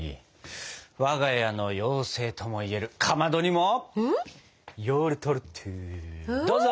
我が家の妖精ともいえるかまどにもヨウルトルットゥどうぞ！